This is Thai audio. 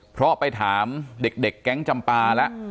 เพราะไปถามเด็กแก๊งจำปาแล้ว